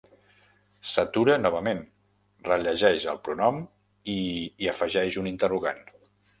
S'atura novament, rellegeix el pronom i hi afegeix un interrogant.